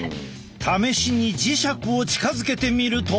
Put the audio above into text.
試しに磁石を近づけてみると。